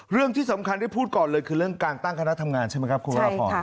เรื่องที่สำคัญได้พูดก่อนเลยคือเรื่องการตั้งคณะทำงานใช่ไหมครับคุณวรพร